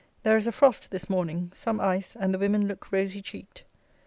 There is a frost this morning, some ice, and the women look rosy cheeked.